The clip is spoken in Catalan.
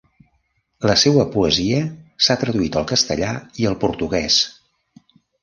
La seua poesia s'ha traduït al castellà i al portugués.